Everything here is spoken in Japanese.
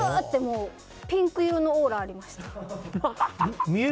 ピンク色のオーラ、ありました。